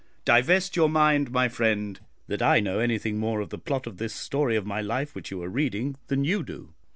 Divest your mind, my friend, that I know anything more of the plot of this story of my life which you are reading than you do.